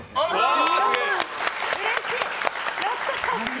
うれしい！